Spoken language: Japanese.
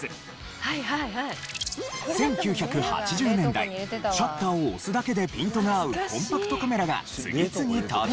１９８０年代シャッターを押すだけでピントが合うコンパクトカメラが次々登場。